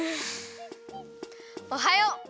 おはよう！